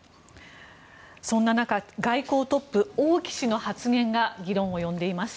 そんな中外交トップ、王毅氏の発言が議論を呼んでいます。